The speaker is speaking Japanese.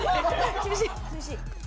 厳しい！